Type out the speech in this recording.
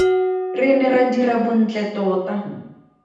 Re ne ra dira bontle tota.